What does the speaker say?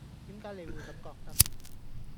點解你會咁覺得